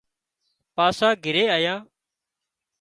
پاسا گھرِي آيا